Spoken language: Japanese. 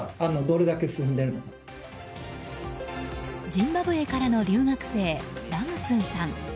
ジンバブエからの留学生ラムスンさん。